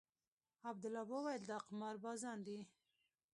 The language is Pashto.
عبدالله وويل دا قمار بازان دي.